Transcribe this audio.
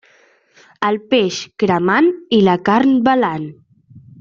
El peix, cremant; i la carn, belant.